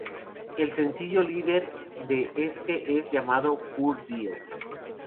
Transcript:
El sencillo líder de este es llamado "Poor Deal".